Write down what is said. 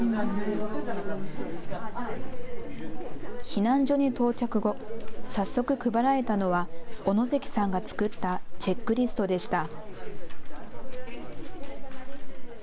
避難所に到着後、早速、配られたのは小野関さんが作ったチェックリストでした。